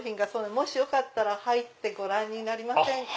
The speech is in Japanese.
もしよかったら入ってご覧になりませんか？